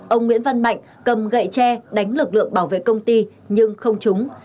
ông nguyễn văn mạnh cầm gậy tre đánh lực lượng bảo vệ công ty nhưng không trúng